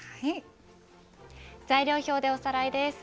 材料表でおさらいです。